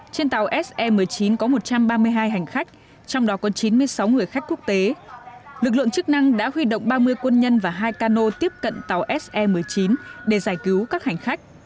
trên tàu se một mươi chín có một trăm ba mươi hai hành khách trong đó có chín mươi sáu người khách quốc tế lực lượng chức năng đã huy động ba mươi quân nhân và hai cano tiếp cận tàu se một mươi chín để giải cứu các hành khách